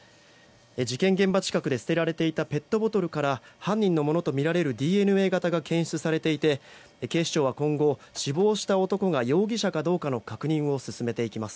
事件現場近くで捨てられていたペットボトルから犯人のものとみられるＤＮＡ型が検出されていて警視庁は今後、死亡した男が容疑者かどうかの確認を進めていきます。